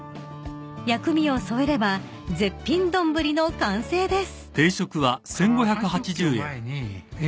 ［薬味を添えれば絶品丼の完成です］